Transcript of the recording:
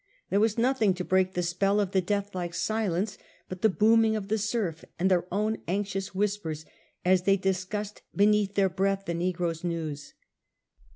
There was nothing to break the spell of the deathlike silence but the booming of the surf and their own anxious whispers, as they dis cussed beneath their breath the negroes' news.